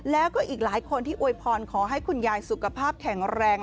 แล้วก็อีกหลายคนที่อวยพรขอให้คุณยายสุขภาพแข็งแรง